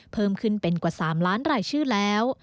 เพิ่มขึ้นเป็นกว่า๓ล้านรายชื่อแล้ว